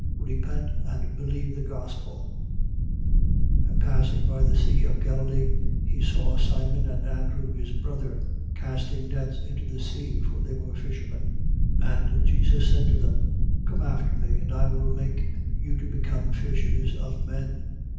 Repent and believe the gospel: 1:16. And passing by the sea of Galilee, he saw Simon and Andrew his brother, casting nets into the sea for they were fishermen. 1:17. And Jesus said to them: Come after me; and I will make you to become fishers of men.